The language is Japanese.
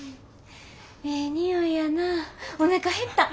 ええ匂いやなおなか減った。